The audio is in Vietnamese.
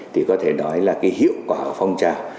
thì có thể nói là cái hiệu quả phong trào